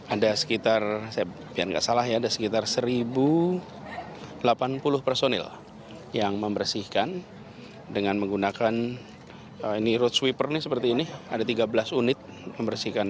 ada sekitar biar nggak salah ya ada sekitar satu delapan puluh personil yang membersihkan dengan menggunakan ini road sweeper ini seperti ini ada tiga belas unit membersihkan